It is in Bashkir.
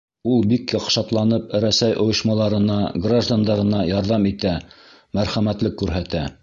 Ул бик яҡшатланып, Рәсәй ойошмаларына, граждандарына ярҙам итә, мәрхәмәтлек күрһәтә.